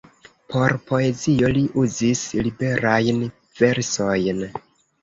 Por poezio li uzis liberajn versojn.